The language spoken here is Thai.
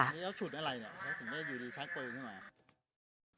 แล้วฉุดอะไรเนี่ยเขาถึงได้อยู่ในชาร์จเปลี่ยนข้างหลัง